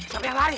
siapa yang lari